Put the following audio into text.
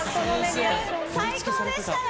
最高でしたよ！